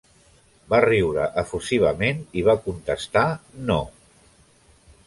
Va riure efusivament i va contestar, "no".